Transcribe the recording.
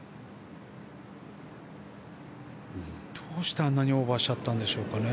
どうしてあんなにオーバーしちゃったんでしょう。